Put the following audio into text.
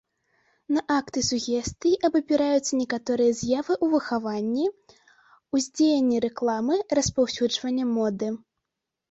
На акты сугестыі абапіраюцца некаторыя з'явы ў выхаванні, ўздзеяння рэкламы, распаўсюджвання моды.